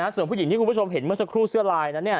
ส่วนผู้หญิงที่คุณผู้ชมเห็นเมื่อสักครู่เสื้อลายนั้น